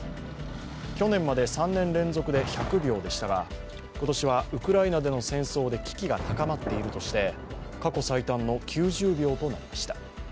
去年まで３年連続で１００秒でしたが、今年はウクライナでの戦争で危機が高まっているとして過去最短の９０秒となりました。